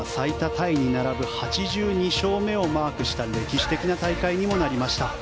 タイに並ぶ８２勝目をマークした歴史的な大会にもなりました。